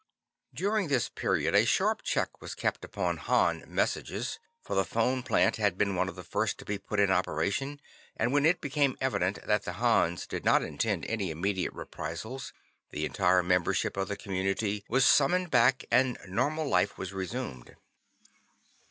During this period, a sharp check was kept upon Han messages, for the phone plant had been one of the first to be put in operation, and when it became evident that the Hans did not intend any immediate reprisals, the entire membership of the community was summoned back, and normal life was resumed.